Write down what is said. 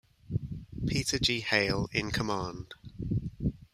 Peter G. Hale in command.